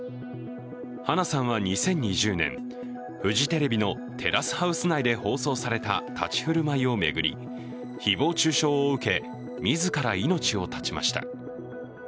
花さんは２０２０年、フジテレビの「テラスハウス」内で放送された立ち振る舞いを巡り誹謗中傷を受け、自ら命を絶ちました。